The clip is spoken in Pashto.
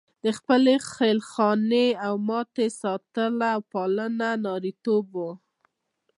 د خپلې خېل خانې او مامتې ساتنه او پالنه نارینتوب وو.